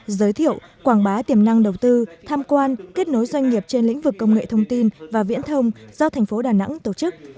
giới thiệu quảng bá tiềm năng đầu tư tham quan kết nối doanh nghiệp trên lĩnh vực công nghệ thông tin và viễn thông do thành phố đà nẵng tổ chức